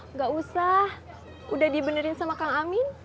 nggak usah udah dibenerin sama kang amin